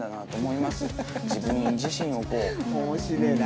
自分自身をこううん。